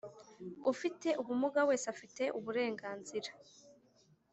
Ufite ubumuga wese afite uburenganzira